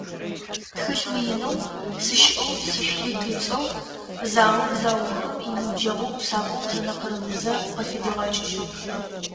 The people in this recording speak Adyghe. Тхылъ мыинэу «Сыщыӏэу сышъулъыт» ыцӏэу заор заухым иныбджэгъоу усакӏоу Жэнэ Къырымызэ къыфыдигъэкӏыжьыгъ.